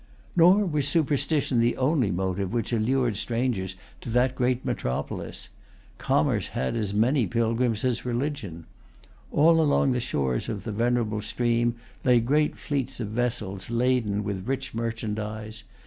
Nor was superstition the only motive which allured strangers to that great metropolis. Commerce had as many pilgrims as religion. All along the shores of the venerable stream lay great fleets of vessels laden with rich merchandise.